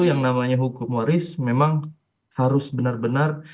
yang namanya hukum waris memang harus benar benar